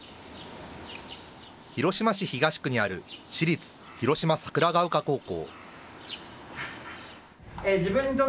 広島市東区にある私立広島桜が丘高校。